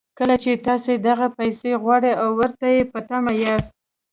کله چې تاسې دغه پيسې غواړئ او ورته په تمه ياست.